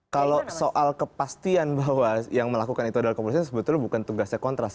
kalau soal kepastian bahwa yang melakukan itu adalah kepolisian sebetulnya bukan tugasnya kontras